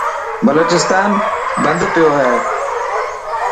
بلوچستان بند پيو هي.